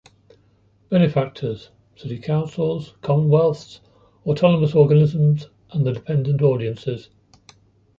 Benefactors: city councils, commonwealths, autonomous organisms and the dependent audiences.